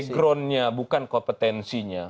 backgroundnya bukan kompetensinya